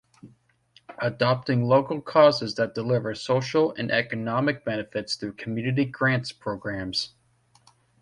Adopting local causes that deliver social and economic benefits through community grants programs.